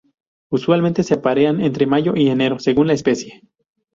Usualmente se aparean entre mayo y enero según la especie.